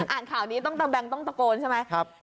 อ่านข่าวนี้ต้องตะแบงต้องตะโกนใช่ไหม